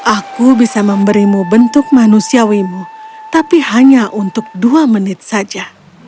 aku bisa memberimu bentuk manusiawimu tapi hanya untuk dua menit saja